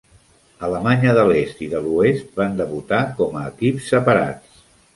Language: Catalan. Alemanya de l'Est i de l'Oest van debutar com a equips separats.